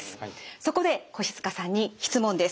そこで越塚さんに質問です。